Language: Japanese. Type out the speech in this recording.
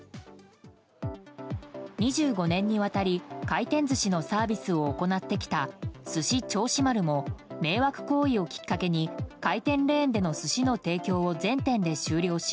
２５年にわたり回転寿司のサービスを行ってきたすし銚子丸も迷惑行為をきっかけに回転レーンでの寿司の提供を全店で終了し